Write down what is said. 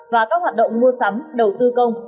và các hoạt động mua sắm đầu tư công